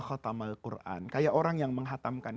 khatamal quran kayak orang yang menghatamkan